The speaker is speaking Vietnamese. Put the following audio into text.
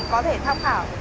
có thể tham khảo